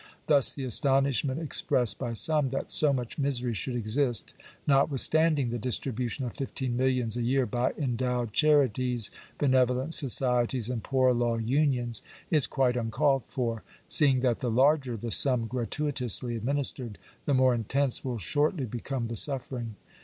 Thus the astonishment expressed by some that so much misery should exist, notwithstanding the distribution of fifteen millions a year by endowed charities, benevolent societies, and poor law unions, is quite uncalled for; seeing that the larger the sum gratuitously administered, the more intense will shortly become the suffering.